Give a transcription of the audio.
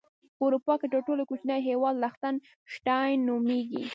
په اروپا کې تر ټولو کوچنی هیواد لختن شټاين نوميږي.